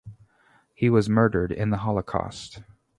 He was murdered in the Holocaust.